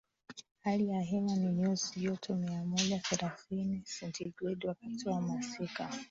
Hali ya hewa ni nyuzi joto mia moja thelathini sentigredi wakati wa masika